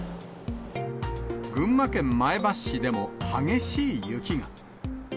群馬県前橋市でも激しい雪が。